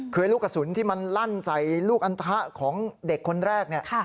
คือลูกกระสุนที่มันลั่นใส่ลูกอันทะของเด็กคนแรกเนี่ย